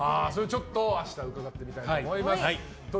ちょっと明日伺ってみたいと思います。